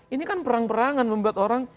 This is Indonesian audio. ini kan perang perangan membuat orang